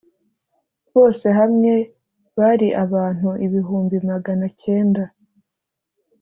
bose hamwe bari abantu ibihumbi maganacyenda.